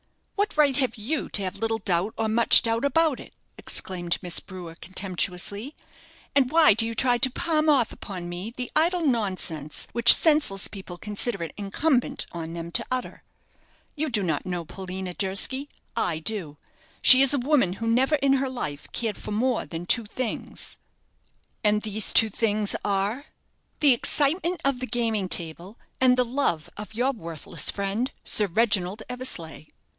"What right have you to have little doubt or much doubt about it?" exclaimed Miss Brewer, contemptuously; "and why do you try to palm off upon me the idle nonsense which senseless people consider it incumbent on them to utter? You do not know Paulina Durski I do. She is a woman who never in her life cared for more than two things." "And these two things are " "The excitement of the gaming table, and the love of your worthless friend, Sir Reginald Eversleigh."